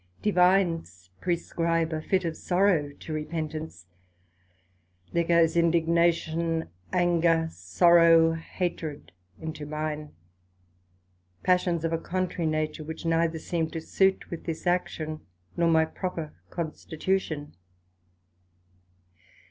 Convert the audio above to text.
Divines prescribe a fit of sorrow to repentance; there goes indignation, anger, sorrow, hatred, into mine; passions of a contrary nature, which neither seem to sute with this action, nor my proper constitution.